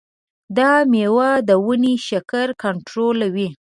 دا میوه د وینې شکر کنټرولوي.